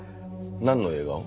なんの映画を？